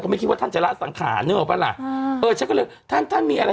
ไม่คิดว่าท่านจะละสังขารนึกออกปะล่ะเออฉันก็เลยท่านท่านมีอะไร